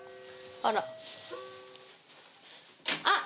あらあっ！